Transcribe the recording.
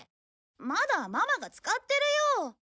まだママが使ってるよ。